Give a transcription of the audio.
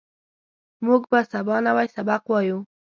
موږ به سبا نوی سبق وایو